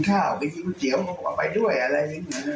ผมจะไปกินข้าวเดี๋ยวไปด้วยอะไรแบบนั้น